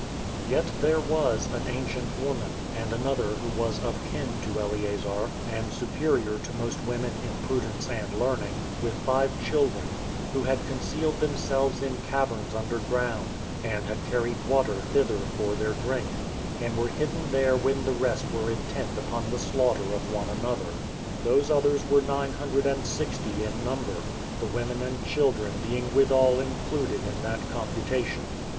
Yet was there an ancient woman, and another who was of kin to Eleazar, and superior to most women in prudence and learning, with five children, who had concealed themselves in caverns under ground, and had carried water thither for their drink, and were hidden there when the rest were intent upon the slaughter of one another. Those others were nine hundred and sixty in number, the women and children being withal included in that computation.